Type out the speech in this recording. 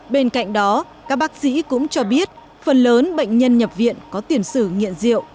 bên cạnh đó các bác sĩ cũng cho biết phần lớn bệnh nhân nhập viện có tiền sử nghiện rượu